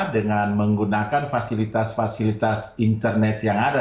dengan menggunakan fasilitas fasilitas internet yang ada